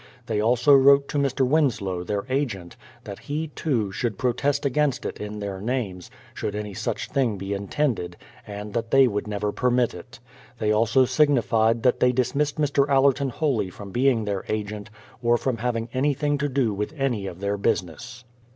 They also wrote to ]\Ir. Winslow, their agent, that he, too, should protest against it in their names, should any such thing be intended 224 BRADFORD'S HISTORY OF and that they would never permit it. They also signified that they dismissed Mr. Allerton wholly from being their agent, or from having anything to do with any of their business.